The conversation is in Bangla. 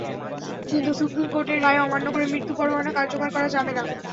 কিন্তু সুপ্রিম কোর্টের রায় অমান্য করে মৃত্যু পরোয়ানা কার্যকর করা যাবে না।